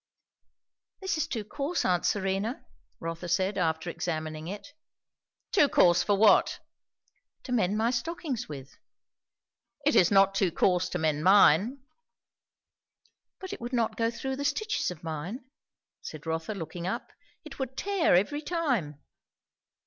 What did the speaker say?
"This is too coarse, aunt Serena," Rotha said after examining it. "Too coarse for what?" "To mend my stockings with." "It is not too coarse to mend mine." "But it would not go through the stitches of mine," said Rotha looking up. "It would tear every time."